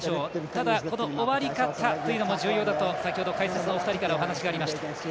ただ、終わり方というのも重要というのも解説のお二人からお話がありました。